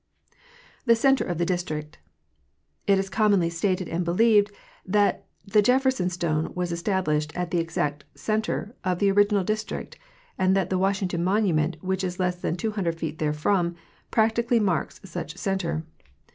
The Center of the District—It is commonly stated and believed that the Jefferson stone was established at the exact center of the original District, and that the Washington monument, which is less than 200 feet therefrom, practically marks such center.